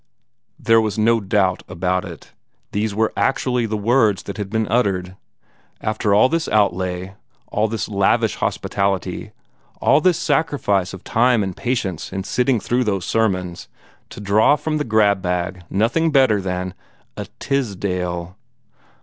There was no doubt about it! These were actually the words that had been uttered. After all this outlay, all this lavish hospitality, all this sacrifice of time and patience in sitting through those sermons, to draw from the grab bag nothing better than a Tisdale!